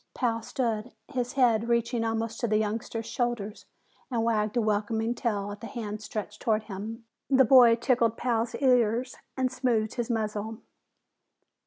Pal stood, his head reaching almost to the youngster's shoulders, and wagged a welcoming tail at the hand stretched toward him. The boy tickled Pal's ears and smoothed his muzzle.